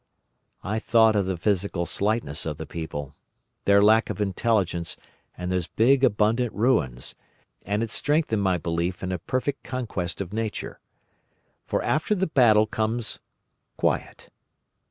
"I thought of the physical slightness of the people, their lack of intelligence, and those big abundant ruins, and it strengthened my belief in a perfect conquest of Nature. For after the battle comes Quiet.